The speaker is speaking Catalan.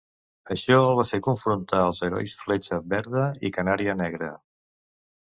Això el va fer confrontar els herois Fletxa Verda i Canària Negra.